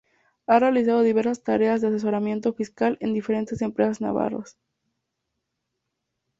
Ha realizado diversas tareas de asesoramiento fiscal en diferentes empresas navarras.